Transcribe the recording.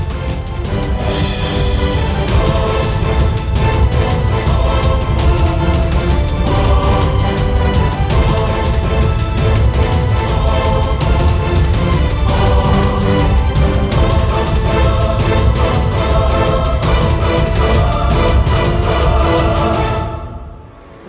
kau selalu menemani